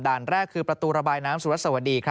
ด่านแรกคือประตูระบายน้ำศุรษภวะดี